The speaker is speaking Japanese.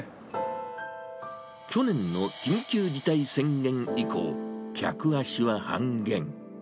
去年の緊急事態宣言以降、客足は半減。